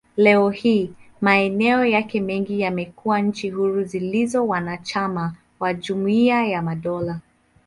Leo hii, maeneo yake mengi yamekuwa nchi huru zilizo wanachama wa Jumuiya ya Madola.